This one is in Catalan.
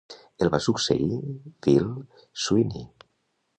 El va succeir Bill Sweeney.